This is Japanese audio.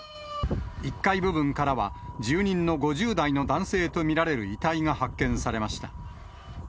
１階部分からは、住人の５０代の男性と見られる遺体が発見されました。